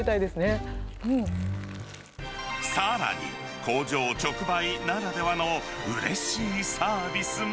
さらに、工場直売ならではのうれしいサービスも。